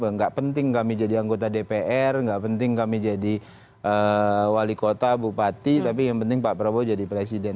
nggak penting kami jadi anggota dpr nggak penting kami jadi wali kota bupati tapi yang penting pak prabowo jadi presiden